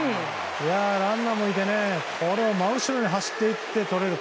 ランナーもいてこれは真後ろに走っていってとれる。